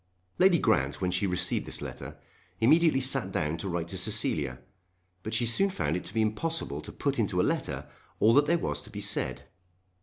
Lady Grant, when she received this letter, immediately sat down to write to Cecilia, but she soon found it to be impossible to put into a letter all that there was to be said.